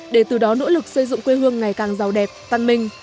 để từ đó nỗ lực xây dựng quê hương ngày càng giàu đẹp văn minh